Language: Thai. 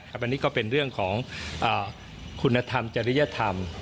อันนี้ก็เป็นเรื่องของคุณธรรมจริยธรรม